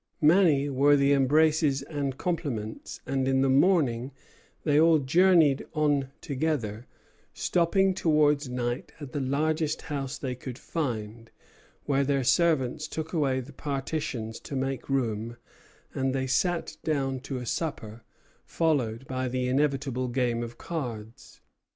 Many were the embraces and compliments; and in the morning they all journeyed on together, stopping towards night at the largest house they could find, where their servants took away the partitions to make room, and they sat down to a supper, followed by the inevitable game of cards.